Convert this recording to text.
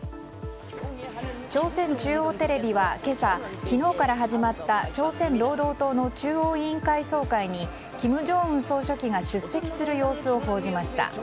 朝鮮中央テレビは今朝昨日から始まった朝鮮労働党の中央委員会総会に金正恩総書記が出席する様子を報じました。